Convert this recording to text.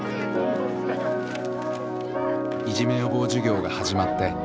いじめ予防授業が始まって４か月。